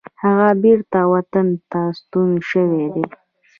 هغه بیرته وطن ته ستون شوی دی.